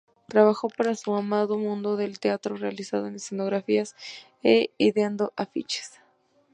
Trabajó para su amado mundo del teatro, realizando escenografías e ideando afiches.